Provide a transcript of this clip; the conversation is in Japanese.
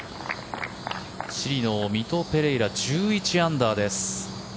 チリのミト・ペレイラ１１アンダーです。